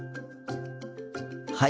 はい。